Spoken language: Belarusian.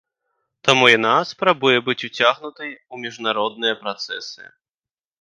Таму яна спрабуе быць уцягнутай у міжнародныя працэсы.